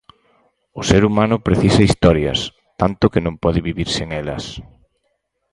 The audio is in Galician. O ser humano precisa historias, tanto que non pode vivir sen elas.